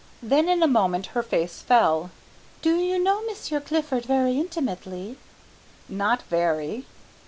Then in a moment her face fell. "Do you know Monsieur Clifford very intimately?" "Not very."